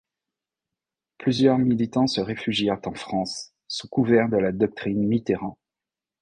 Plusieurs militants se réfugièrent en France sous couvert de la doctrine Mitterrand.